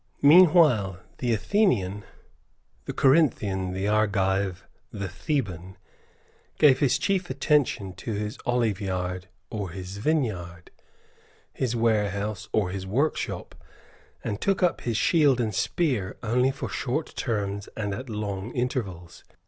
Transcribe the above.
Meanwhile the Athenian, the Corinthian, the Argive, the Theban, gave his chief attention to his oliveyard or his vineyard, his warehouse or his workshop, and took up his shield and spear only for short terms and at long intervals.